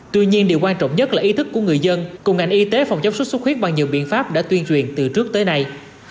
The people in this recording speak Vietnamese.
tuy nhiên điều quan trọng nhất là ý thức của người dân cùng ngành y tế phòng chống xuất xuất huyết bằng nhiều biện pháp đã tuyên truyền từ trước tới nay